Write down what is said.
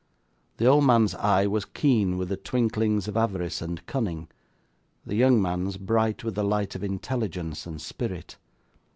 The old man's eye was keen with the twinklings of avarice and cunning; the young man's bright with the light of intelligence and spirit.